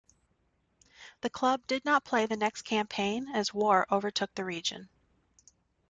The club did not play the next campaign as war overtook the region.